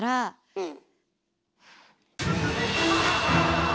うん。